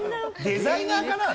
デザイナーかな？